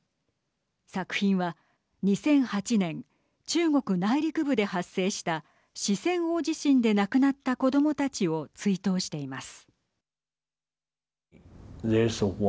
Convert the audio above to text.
作品は２００８年中国内陸部で発生した四川大地震で亡くなった子どもたちを追悼しています。